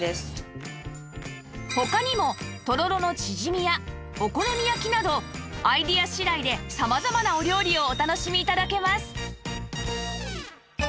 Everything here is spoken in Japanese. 他にもとろろのチヂミやお好み焼きなどアイデア次第で様々なお料理をお楽しみ頂けます！